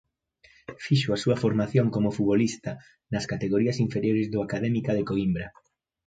Fixo a súa formación como futbolista nas categorías inferiores do Académica de Coimbra.